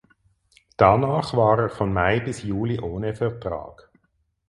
Danach war er von Mai bis Juli ohne Vertrag.